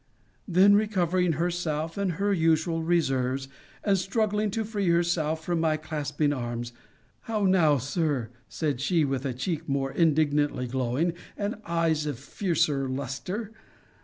Then recovering herself, and her usual reserves, and struggling to free herself from my clasping arms, How now, Sir! said she, with a cheek more indignantly glowing, and eyes of fiercer lustre.